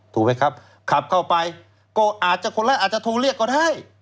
ถูกไหมครับขับเข้าไปก็อาจจะคนละอาจจะโทรเรียกก็ได้